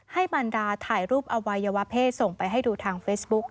บรรดาถ่ายรูปอวัยวะเพศส่งไปให้ดูทางเฟซบุ๊ค